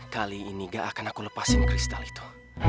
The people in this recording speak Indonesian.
kali ini gak akan aku lepasin kristal itu